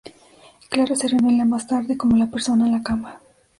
Clara se revela más tarde como la persona en la cama.